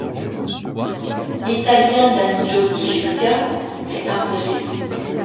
L'Italien Danilo Di Luca s'est imposé.